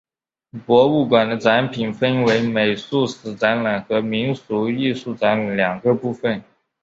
博物馆的展品分为美术史展览和民俗艺术展览两个部分。